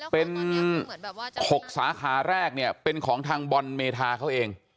เป็น๖สาขาแรกเนี่ยเป็นของทางบอลเมธาเขาเอง